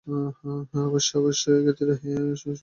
অবশ্য এক্ষেত্রে কিছু বাড়তি সুবিধা রয়েছে।